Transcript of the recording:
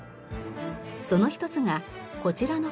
その１つがこちらの公園。